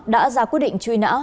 đã ra quyết định truy nã